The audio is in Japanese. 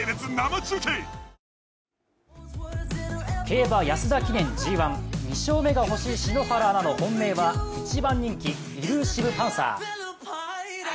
競馬・安田記念ＧⅠ、２勝目がほしい篠原アナの本命は１番人気・イルーシヴパンサー。